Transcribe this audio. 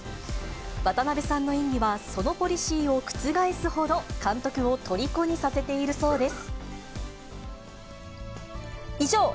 渡辺さんの演技はそのポリシーを覆すほど、監督をとりこにさせているそうです。